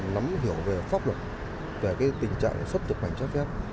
nắm hiểu về pháp luật về tình trạng xuất nhập cảnh trái phép